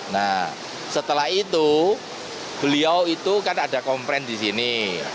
nah setelah itu beliau itu kan ada komplain di sini